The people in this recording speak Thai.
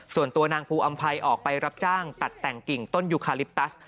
ส่วนตัวนางภูอำภัยออกไปรับจ้างตัดแต่งกิ่งต้นยูคาลิปตัส